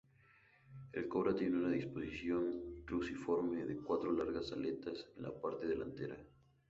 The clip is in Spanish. El Cobra tiene una disposición cruciforme de cuatro largas aletas en la parte delantera.